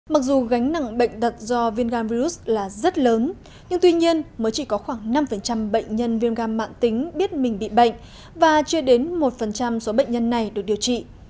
mặc dù gánh nặng bệnh tật do viêm gan virus là rất lớn nhưng tuy nhiên mới chỉ có khoảng năm bệnh nhân viêm gan mạng tính biết mình bị bệnh và chưa đến một số bệnh nhân này được điều trị